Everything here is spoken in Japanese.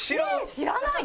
知らないの？